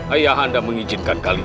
ayahanda mengizinkan kalian